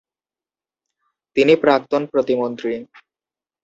তিনি প্রাক্তন প্রতিমন্ত্রী।